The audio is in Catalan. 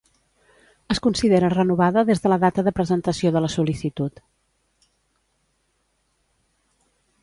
Es considera renovada des de la data de presentació de la sol·licitud.